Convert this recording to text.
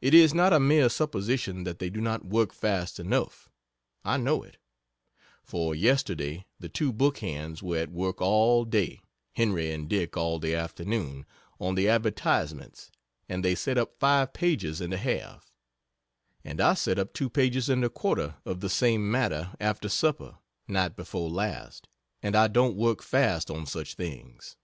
It is not a mere supposition that they do not work fast enough I know it; for yesterday the two book hands were at work all day, Henry and Dick all the afternoon, on the advertisements, and they set up five pages and a half and I set up two pages and a quarter of the same matter after supper, night before last, and I don't work fast on such things.